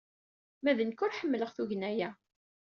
Ma d nekk, ur ḥemmleɣ tugna-a.